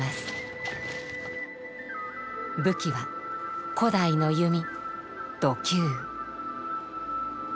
武器は古代の弓弩弓。